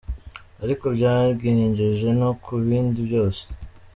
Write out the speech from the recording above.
Ariko byangejeje no ku bindi byose.